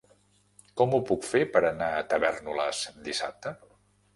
Com ho puc fer per anar a Tavèrnoles dissabte?